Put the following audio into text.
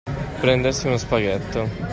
Prendersi uno spaghetto.